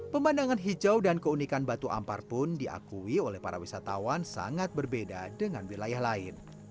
pemandangan hijau dan keunikan batu ampar pun diakui oleh para wisatawan sangat berbeda dengan wilayah lain